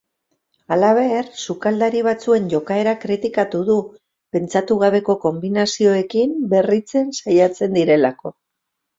Halaber, sukaldari batzuen jokaera kritikatu du pentsatu gabeko konbinazioekin berritzen saiatzen direlako.